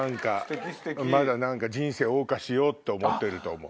まだ何か人生を謳歌しようって思ってると思う。